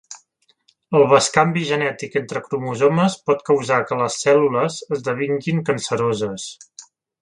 El bescanvi genètic entre cromosomes pot causar que les cèl·lules esdevinguin canceroses.